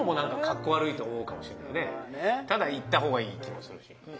ただ言ったほうがいい気もするし。